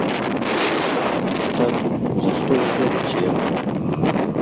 Тату, за што вы гоніце яго?